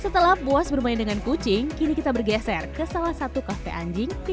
setelah puas bermain dengan kucing kini kita bergeser ke salah satu kafe anjing di